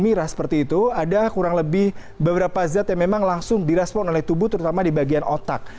maka ada beberapa zat yang langsung di respon oleh tubuh terutama di bagian otak